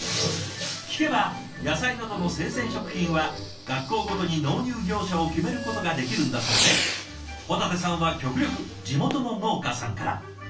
聞けば野菜などの生鮮食品は学校ごとに納入業者を決めることができるんだそうで保立さんは極力地元の農家さんから。